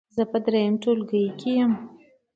زه په دریم ټولګي کې یم.